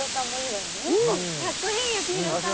かっこいい幸宏さん！